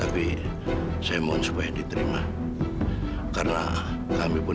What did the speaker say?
bukan cuma itu tante bukan cuma itu